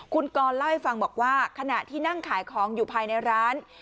คุณกรเล่าให้ฟังบอกว่าขณะที่นั่งขายของอยู่ภายในร้าน